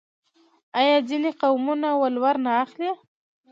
آیا ځینې قومونه ولور نه اخلي؟